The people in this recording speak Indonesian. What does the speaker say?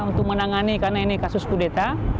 untuk menangani karena ini kasus kudeta